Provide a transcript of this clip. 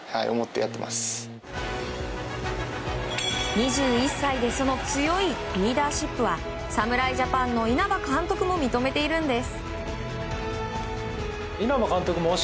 ２１歳でその強いリーダーシップは侍ジャパンの稲葉監督も認めているんです。